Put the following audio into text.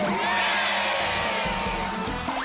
เย้